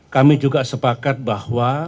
kami juga sepakat bahwa